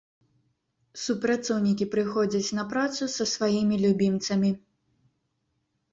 Супрацоўнікі прыходзяць на працу са сваімі любімцамі.